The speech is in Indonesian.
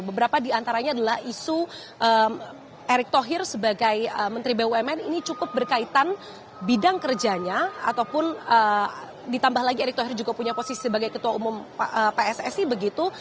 beberapa diantaranya adalah isu erick thohir sebagai menteri bumn ini cukup berkaitan bidang kerjanya ataupun ditambah lagi erick thohir juga punya posisi sebagai ketua umum pssi begitu